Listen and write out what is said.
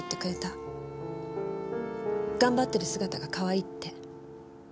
頑張ってる姿がかわいいって。